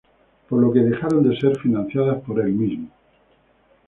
Por lo que dejaron de ser financiadas por el mismo.